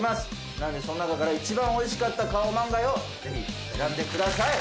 なのでその中から一番おいしかったカオマンガイをぜひ選んでください。